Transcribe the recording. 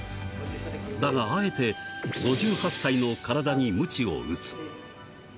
だがあえて、５８歳の体にむちを打つ。